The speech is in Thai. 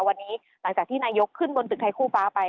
วันนี้หลังจากที่นายกขึ้นบนตึกไทยคู่ฟ้าไป